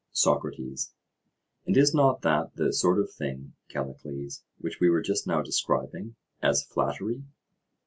SOCRATES: And is not that the sort of thing, Callicles, which we were just now describing as flattery?